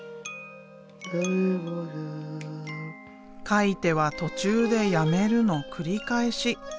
描いては途中でやめるの繰り返し。